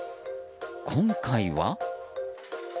今回は？